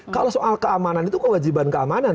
kalau soal keamanan itu kewajiban keamanan